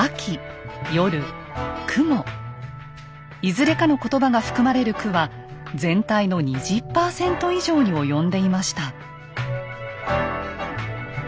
いずれかのことばが含まれる句は全体の２０％以上に及んでいました。